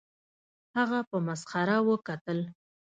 هغه په مسخره وکتل